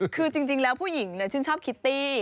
คือจริงแล้วผู้หญิงชื่นชอบคิตตี้